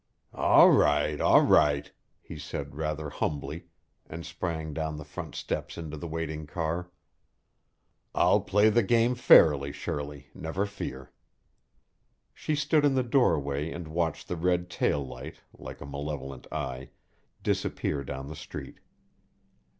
"All right, all right!" he said rather humbly, and sprang down the front steps into the waiting car. "I'll play the game fairly, Shirley, never fear." She stood in the doorway and watched the red tail light, like a malevolent eye, disappear down the street.